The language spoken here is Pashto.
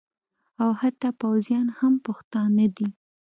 او حتی پوځیان هم پښتانه دي